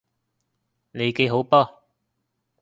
利記好波！